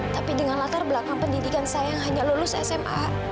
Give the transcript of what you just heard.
tapi dengan latar belakang pendidikan saya yang hanya lulus sma